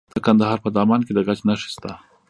د کندهار په دامان کې د ګچ نښې شته.